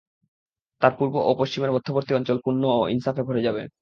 তারপর পূর্ব ও পশ্চিমের মধ্যবর্তী অঞ্চল পূণ্য ও ইনসাফে ভরে যাবে।